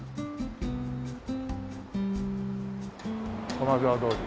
駒沢通り。